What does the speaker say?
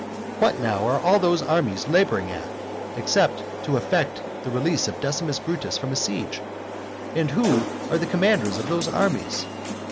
What now are all those armies labouring at, except to effect the release of Decimus Brutus from a siege? And who are the commanders of those armies?